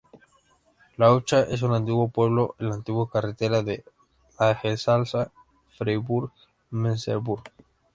Laucha es un antiguo pueblo, en la antigua carretera Langensalza-Freyburg-Merseburg.